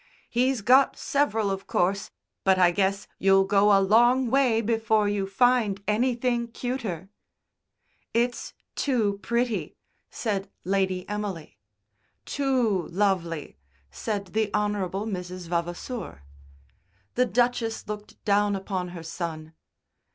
"He's got several, of course, but I guess you'll go a long way before you find anything cuter." "It's too pretty," said Lady Emily. "Too lovely," said the Hon. Mrs. Vavasour. The Duchess looked down upon her son.